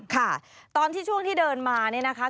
ค่ะตอนที่ช่วงที่เดินมาเนี่ยนะคะ